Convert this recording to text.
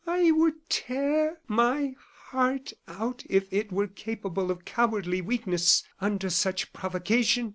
"I would tear my heart out if it were capable of cowardly weakness under such provocation!"